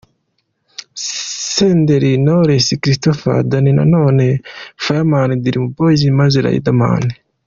Senderi, Knowless, Christopher, Dany Nanone, Fireman, Dream boys maze Riderman.